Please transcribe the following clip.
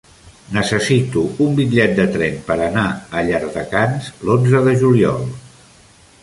Necessito un bitllet de tren per anar a Llardecans l'onze de juliol.